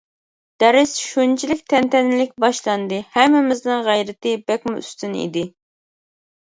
دەرس شۇنچىلىك تەنتەنىلىك باشلاندى، ھەممىمىزنىڭ غەيرىتى بەكمۇ ئۈستۈن ئىدى.